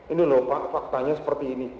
ini loh faktanya seperti ini